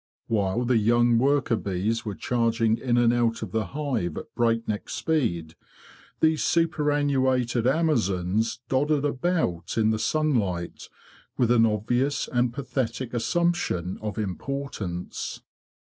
While the young worker bees were charging in and out of the hive at breakneck speed, these superannuated amazons doddered about in the sunlight, with an obvious and pathetic assump tion of importance.